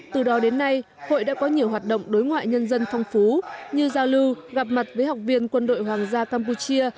từ đó đến nay hội đã có nhiều hoạt động đối ngoại nhân dân phong phú như giao lưu gặp mặt với học viên quân đội hoàng gia campuchia